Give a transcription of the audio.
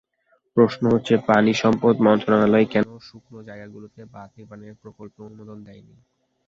প্রশ্ন হচ্ছে পানিসম্পদ মন্ত্রণালয় কেন শুকনো জায়গাগুলোতে বাঁধ নির্মাণের প্রকল্পে অনুমোদন দেয়নি।